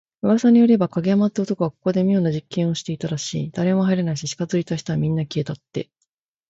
噂によれば、影山って男がここで妙な実験をしてたらしい。誰も入らないし、近づいた人はみんな…消えたって。